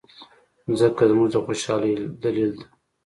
مځکه زموږ د خوشالۍ دلیل ده.